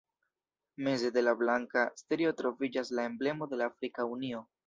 Meze de la blanka strio troviĝas la Emblemo de la Afrika Unio.